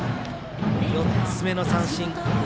４つ目の三振。